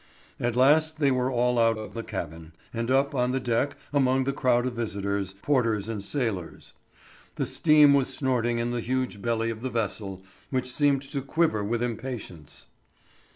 At last they were all out of the cabin, and up on deck among the crowd of visitors, porters, and sailors. The steam was snorting in the huge belly of the vessel, which seemed to quiver with impatience.